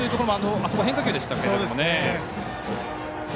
あそこは変化球でしたけどもね。